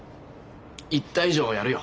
言った以上やるよ。